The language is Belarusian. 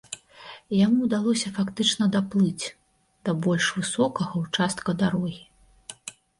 Яму ўдалося фактычна даплыць да больш высокага ўчастка дарогі.